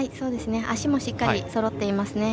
足もしっかり、そろっていますね。